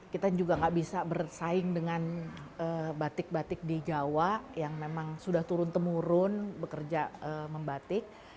kita juga gak bisa bersaing dengan batik batik di jawa yang memang sudah turun temurun bekerja membatik